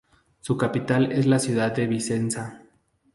Su capital es la ciudad de Vicenza.